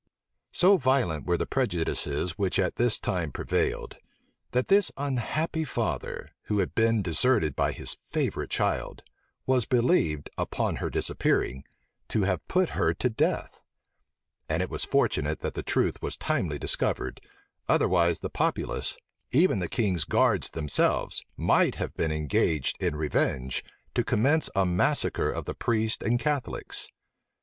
So violent were the prejudices which at this time prevailed, that this unhappy father, who had been deserted by his favorite child, was believed, upon her disappearing, to have put her to death: and it was fortunate that the truth was timely discovered, otherwise the populace, even the king's guards themselves, might have been engaged, in revenge, to commence a massacre of the priests and Catholics.